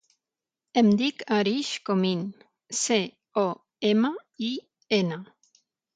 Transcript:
Em dic Arij Comin: ce, o, ema, i, ena.